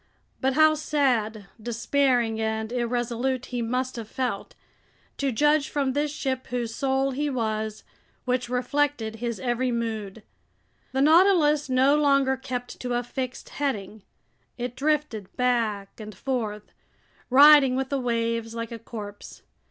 But how sad, despairing, and irresolute he must have felt, to judge from this ship whose soul he was, which reflected his every mood! The Nautilus no longer kept to a fixed heading. It drifted back and forth, riding with the waves like a corpse.